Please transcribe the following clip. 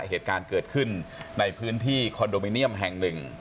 เหตุการณ์เกิดขึ้นในพื้นที่คอนโดมิเนียมแห่งหนึ่ง